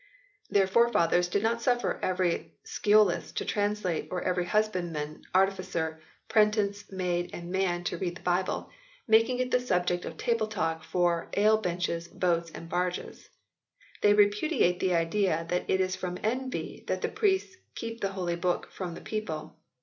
Their forefathers did not suffer every sciolist to translate, or every husbandman, artificer, prentice, maid and man to read the Bible, making it the subject of table talk for "ale benches, boats and barges." They repudiate the idea that it is from envy that the priests keep the holy book from the people.